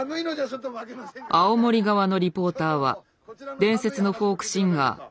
青森側のリポーターは伝説のフォークシンガー三上寛。